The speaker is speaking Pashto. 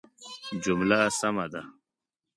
جمله سمه ده